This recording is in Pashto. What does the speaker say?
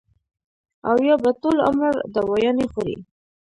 او يا به ټول عمر دوايانې خوري -